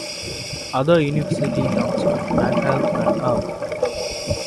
Other university towns are Mannheim and Ulm.